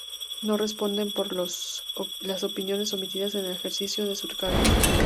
No responden por los votos u opiniones emitidas en el ejercicio de su cargo.